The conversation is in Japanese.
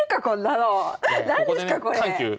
何ですかこれ！